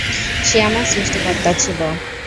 সে আমার সৃষ্টিকর্তা ছিল।